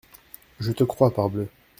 Je te crois, parbleu !